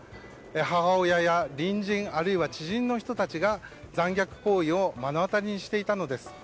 母親や隣人、知人の人たちが残虐行為を目の当たりにしていたのです。